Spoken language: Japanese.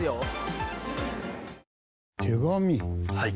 はい。